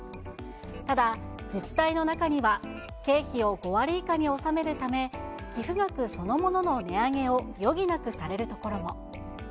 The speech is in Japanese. ただ自治体の中には、経費を５割以下に収めるため、寄付額そのものの値上げを余儀なくされるところも。